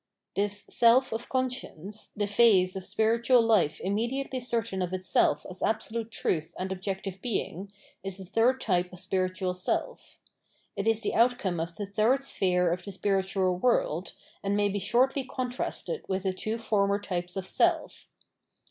This self of Conscience, the phase of spiritual life immediately certain of itself as absolute truth and objective being, is the third type of spiritual self. It is the outcome of the third sphere of the spiritual world,* and may be shortly contrasted with the two former types of self.